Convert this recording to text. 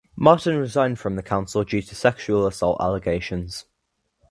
Martin resigned from the council due to sexual assault allegations.